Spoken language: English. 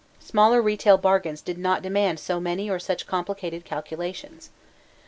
Smaller retail bargains did not demand so many or such complicated calculations.